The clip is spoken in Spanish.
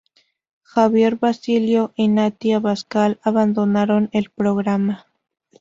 Javier Basilio y Nati Abascal abandonaron el programa.